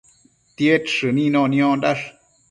Tied shënino niondash